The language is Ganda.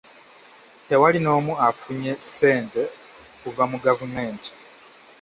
Tewali n'omu afunye ssente kuva mu gavumenti.